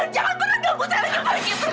jangan pernah kamu selalu pergi